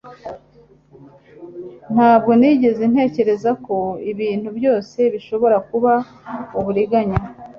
ntabwo nigeze ntekereza ko ibintu byose bishobora kuba uburiganya